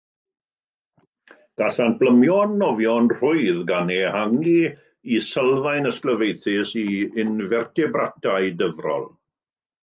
Gallant blymio a nofio yn rhwydd, gan ehangu eu sylfaen ysglyfaethus i infertebratau dyfrol.